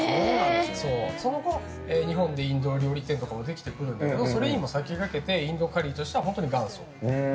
そのころ、日本でインド料理店もできてくるんだけどそれに先駆けてインドカリーとしては本当に元祖。